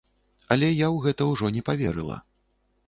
Але я ў гэта ўжо не паверыла.